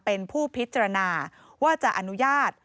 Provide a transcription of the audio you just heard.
เป็นผู้พิจารณาว่าจะอนุญาต